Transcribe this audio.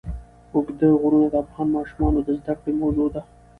اوږده غرونه د افغان ماشومانو د زده کړې موضوع ده.